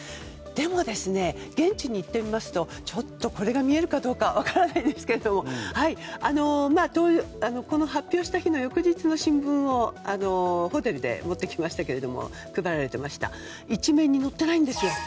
でも、現地に行ってみますとこれが見えるかどうか分からないですけれどこの発表した日の翌日の新聞をホテルから持ってきましたけども１面に載ってないんですよ。